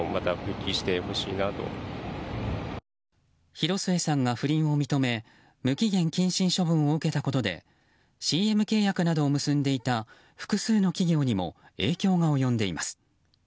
広末さんが不倫を認め無期限謹慎処分を受けたことでＣＭ契約などを結んでいた複数の企業にも影響が及んでいます。